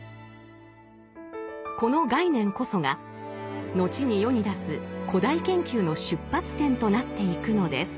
この概念こそが後に世に出す「古代研究」の出発点となっていくのです。